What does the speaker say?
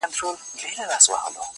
په زيارتونو تعويذونو باندې هم و نه سوه_